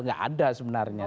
nggak ada sebenarnya